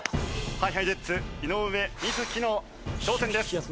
ＨｉＨｉＪｅｔｓ井上瑞稀の挑戦です。